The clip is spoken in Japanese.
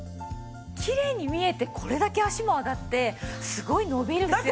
きれいに見えてこれだけ脚も上がってすごい伸びるんですよね。